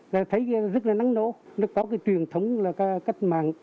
là thấy rất là nắng nổ nó có cái truyền thống là cách mạng